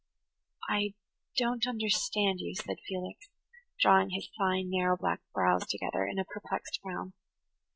"I don't understand you," said Felix, drawing his fine, narrow black brows together in a perplexed frown.